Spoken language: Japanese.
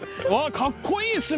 かっこいいっすね！